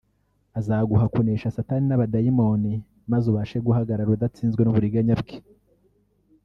azaguha kunesha Satani n’abadayimoni maze ubashe guhagarara udatsinzwe n’uburiganya bwe